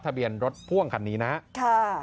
ทะเบียนรถพ่วงคันนี้นะครับ